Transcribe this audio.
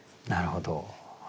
なるほど。